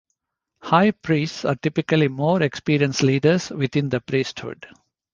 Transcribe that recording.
High priests are typically more experienced leaders within the priesthood.